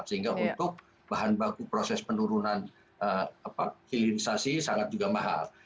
sehingga untuk bahan baku proses penurunan hilirisasi sangat juga mahal